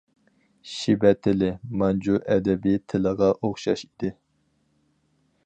شىبە تىلى مانجۇ ئەدەبىي تىلىغا ئوخشاش ئىدى.